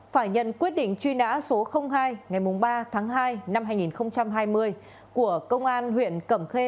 phải nhận quyết định truy nã số hai ngày ba tháng hai năm hai nghìn hai mươi của công an huyện cẩm khê